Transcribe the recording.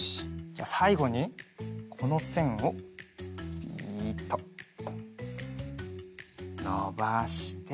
じゃさいごにこのせんをびっとのばして。